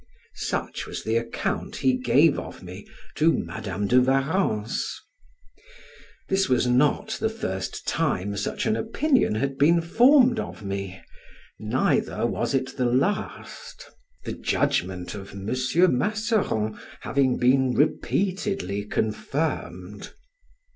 Such was the account he gave of me to Madam de Warrens. This was not the first time such an opinion had been formed of me, neither was it the last; the judgment of M. Masseron having been repeatedly confirmed.